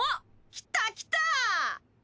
来た来た！